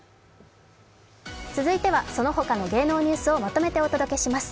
続いては、その他の芸能ニュースをまとめてお届けします。